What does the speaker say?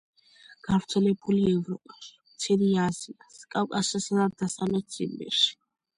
გავრცელებულია ევროპაში, მცირე აზიას, კავკასიასა და დასავლეთ ციმბირში.